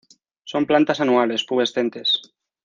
Son plantas anuales, pubescentes.